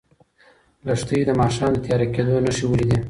لښتې د ماښام د تیاره کېدو نښې ولیدې.